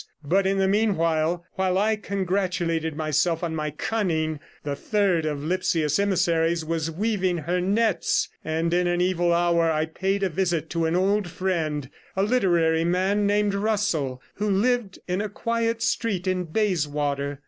But in the meanwhile, while I congratulated myself on my cunning, the third of Lipsius's emissaries was weaving her nets; and in 142 an evil hour I paid a visit to an old friend, a literary man named Russell, who lived in a quiet street in Bayswater.